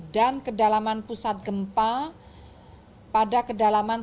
dan kedalaman pusat gempa pada kedalaman sepuluh km